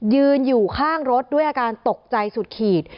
ยืนอยู่ข้างรถด้วยอาการตกใจสุดขีด